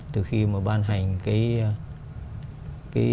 từ khi mà ban hành cái